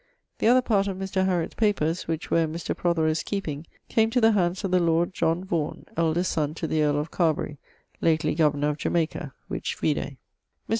The other part of Mr. Hariot's papers, which were in Mr. Prothero's keeping, came to the hands of the lord John Vaughan, eldest son to the earle of Carbery, lately governor of Jamaica, which vide. Mr.